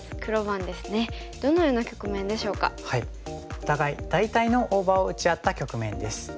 お互い大体の大場を打ち合った局面です。